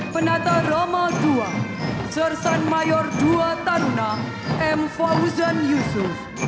penata roma ii sersan mayor dua taruna m fauzan yusuf